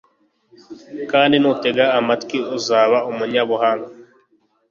kandi nutega amatwi, uzaba umunyabuhanga